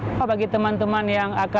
kita sudah menghubungi semua rumah yang di sana